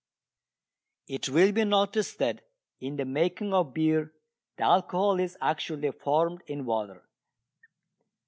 It will be noticed that in the making of beer the alcohol is actually formed in water.